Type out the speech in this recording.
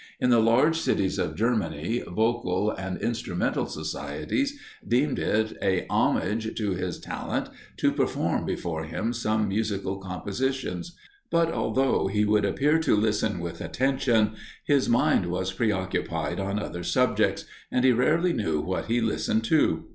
In the large cities of Germany, vocal and instrumental societies deemed it a homage to his talent to perform before him some musical compositions; but, although he would appear to listen with attention, his mind was pre occupied on other subjects, and he rarely knew what he listened to.